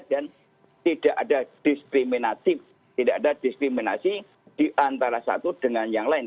dan tidak ada diskriminatif tidak ada diskriminasi diantara satu dengan yang lain